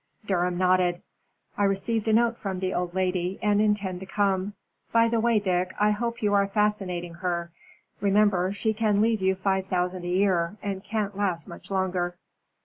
Durham nodded. "I received a note from the old lady, and intend to come. By the way, Dick, I hope you are fascinating her. Remember, she can leave you five thousand a year, and can't last much longer."